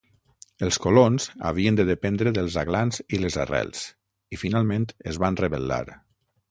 Els colons havien de dependre dels aglans i les arrels i finalment es van rebel·lar.